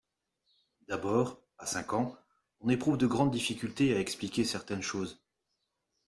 D'abord, a cinq ans, on éprouve de grandes difficultés à expliquer certaines choses.